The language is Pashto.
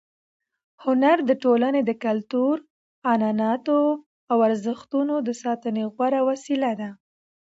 هنر د ټولنې د کلتور، عنعناتو او ارزښتونو د ساتنې غوره وسیله ده.